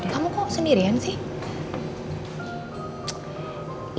kamu kok sendirian sih